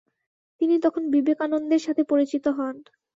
তিনি তখন বিবেকানন্দের সাথে পরিচিত হন।